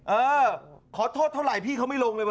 เออขอโทษเท่าไหร่พี่เขาไม่ลงเลยว